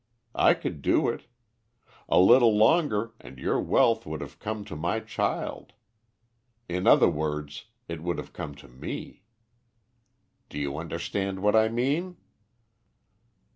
I could do it. A little longer and your wealth would have come to my child; in other words, it would have come to me. Do you understand what I mean?"